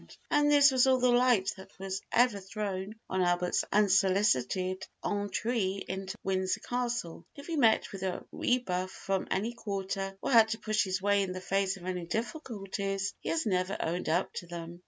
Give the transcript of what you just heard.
And this was all the light that was ever thrown on Albert's unsolicited entree into Windsor Castle. If he met with a rebuff from any quarter or had to push his way in the face of any difficulties, he has never owned up to them.